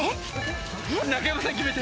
中山さん決めて。